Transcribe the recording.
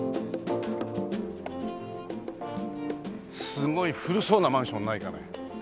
すごい古そうなマンションないかね？